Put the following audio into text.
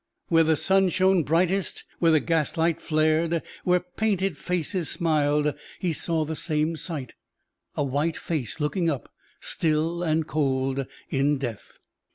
Where the sun shone brightest, where the gaslight flared, where painted faces smiled he saw the same sight a white face looking up, still and cold in death.